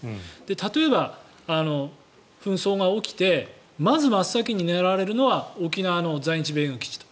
例えば、紛争が起きてまず真っ先に狙われるのは沖縄の在日米軍基地と。